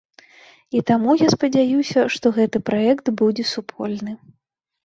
І таму, я спадзяюся, што гэты праект будзе супольны.